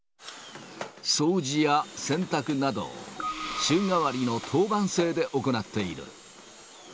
掃除や洗濯などを週替わりの当番制で行っている。